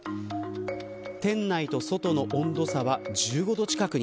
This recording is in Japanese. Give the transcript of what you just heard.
店内と外の温度差は１５度近く。